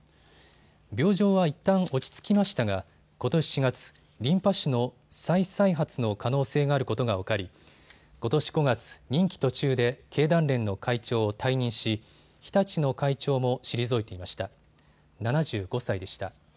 病状はいったん落ち着きましたがことし４月、リンパ種の再々発の可能性があることが分かり、ことし５月、任期途中で経団連の会長を退任し日立の会長も退いていました。